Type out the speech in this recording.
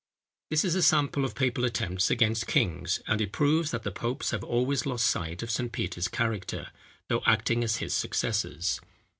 ] This is a sample of papal attempts against kings; and it proves that the popes have always lost sight of St. Peter's character, though acting as his successors.